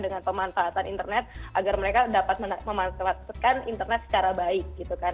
dengan pemanfaatan internet agar mereka dapat memanfaatkan internet secara baik gitu kan